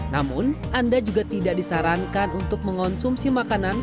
namun anda juga tidak disarankan untuk mengonsumsi makanan